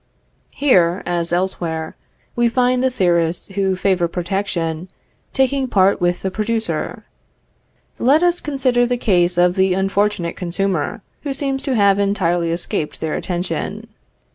Here, as elsewhere, we find the theorists who favor protection, taking part with the producer. Let us consider the case of the unfortunate consumer, who seems to have entirely escaped their attention.